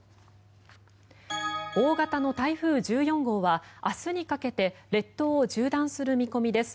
大型の台風１４号は明日にかけて列島を縦断する見込みです。